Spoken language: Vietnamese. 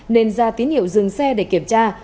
nên ra tín hiệu dừng xe để kiểm tra